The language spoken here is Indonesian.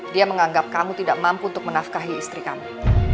dia menganggap kamu tidak mampu untuk menafkahi istri kami